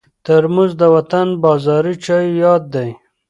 ترموز د وطن د بازاري چایو یاد دی.